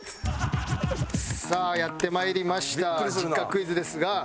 さあやってまいりました実家クイズですが。